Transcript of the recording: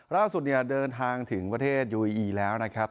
ล่าสุดเนี่ยเดินทางถึงประเทศยูเออีแล้วนะครับ